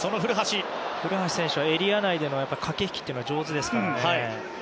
古橋選手はエリア内での駆け引きが上手ですから。